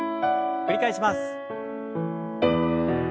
繰り返します。